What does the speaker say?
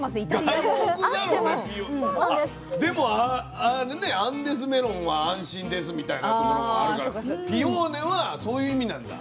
でもアンデスメロンは「安心です」みたいなところもあるからピオーネはそういう意味なんだ。